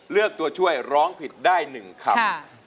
ตัวช่วยร้องผิดได้๑คำ